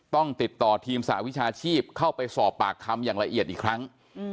ต้องติดต่อทีมสหวิชาชีพเข้าไปสอบปากคำอย่างละเอียดอีกครั้ง